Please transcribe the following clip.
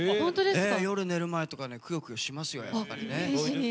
夜、寝る前とかくよくよしますよ、やっぱりね。